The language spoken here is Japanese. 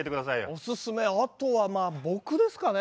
おすすめあとはまあ僕ですかね。